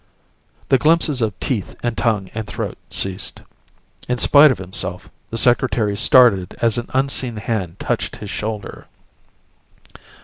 The glimpses of teeth and tongue and throat ceased. In spite of himself, the Secretary started as an unseen hand touched his shoulder.